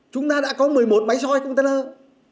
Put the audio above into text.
chúng ta đã có một mươi một máy soi container